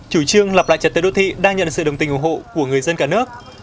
chủ trương lập lại trật tự đô thị đang nhận sự đồng tình ủng hộ của người dân cả nước